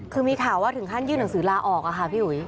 คือมีข่าวว่าถึงขั้นยื่นหนังสือลาออกอะค่ะพี่อุ๋ย